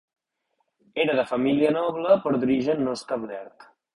Era de família noble, però d'origen no establert.